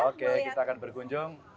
oke kita akan berkunjung